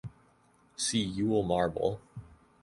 See Yule marble.